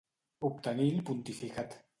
Obtenir el pontificat.